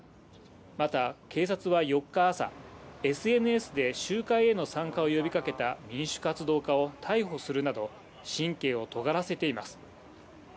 また、警察は４日朝、ＳＮＳで集会への参加を呼びかけた民主活動家を逮捕するなど、神経をとがらせています。